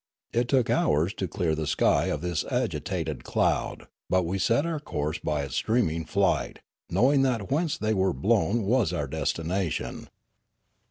It took hours to clear the sky of this agitated cloud ; but we set our course by its streaming flight, knowing that whence they were blown was our destination.